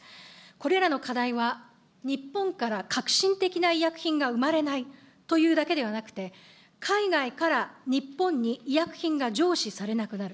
これらの課題は日本から革新的な医薬品が生まれないというだけではなくて、海外から日本に医薬品が上梓されなくなる。